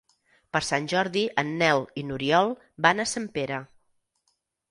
Per Sant Jordi en Nel i n'Oriol van a Sempere.